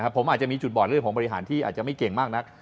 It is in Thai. ผมอาจจะมีจุดบอดเรื่องของบริหารที่อาจจะไม่เก่งมากนัก